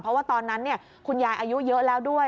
เพราะว่าตอนนั้นคุณยายอายุเยอะแล้วด้วย